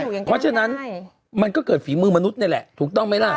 เพราะฉะนั้นมันก็เกิดฝีมือมนุษย์นี่แหละถูกต้องไหมล่ะ